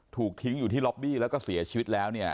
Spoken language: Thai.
ถูกทิ้งอยู่ที่ล็อบบี้แล้วก็เสียชีวิตแล้วเนี่ย